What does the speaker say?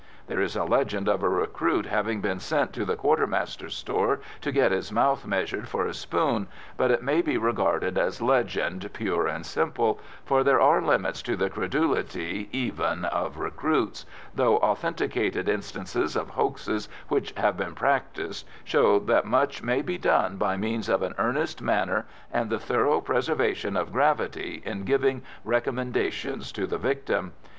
There is a legend of a recruit having been sent to the quartermaster's store to get his mouth measured for a spoon, but it may be regarded as legend pure and simple, for there are limits to the credulity, even, of recruits, though authenticated instances of hoaxes which have been practised show that much may be done by means of an earnest manner and the thorough preservation of gravity in giving recommendations to the victim.